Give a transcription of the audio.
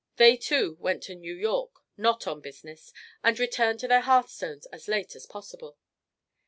They, too, went to New York, not on business, and returned to their hearthstones as late as possible.